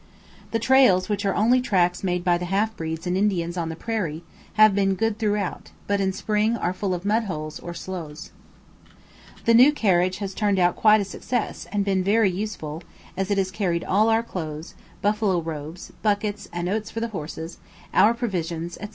The trails, which are only tracks made by the half breeds and Indians on the prairie, have been good throughout, but in spring are full of mud holes or sloughs. The new carriage has turned out quite a success and been very useful, as it has carried all our clothes, buffalo robes, buckets and oats for the horses, our provisions, etc.